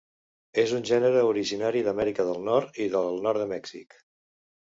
És un gènere originari d'Amèrica del Nord i del nord de Mèxic.